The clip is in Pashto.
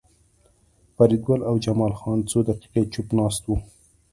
فریدګل او جمال خان څو دقیقې چوپ ناست وو